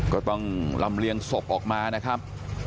ก็ต้องลำเลียงศพออกมานะครับ